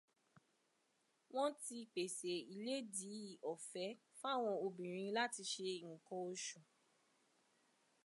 Wọ́n ti pèsè ìlédìí ọ̀fẹ́ fáwọn obìnrin láti ṣe nǹkan oṣù.